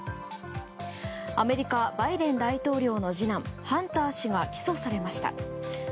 アメリカバイデン大統領の次男ハンター氏が起訴されました。